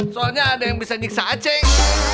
soalnya ada yang bisa nyiksa aceh